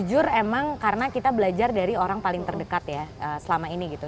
jujur emang karena kita belajar dari orang paling terdekat ya selama ini gitu